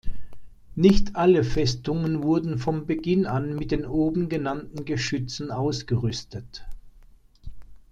Nicht alle Festungen wurden vom Beginn an mit den oben genannten Geschützen ausgerüstet.